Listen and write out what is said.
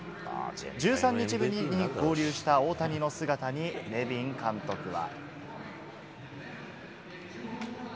１３日ぶりに合流した大谷の姿にネビン監督は。